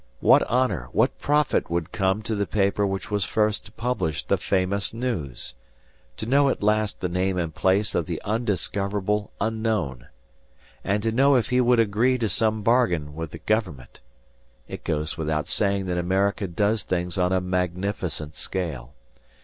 What honor, what profit would come to the paper which was first to publish the famous news! To know at last the name and place of the undiscoverable unknown! And to know if he would agree to some bargain with the government! It goes without saying that America does things on a magnificent scale.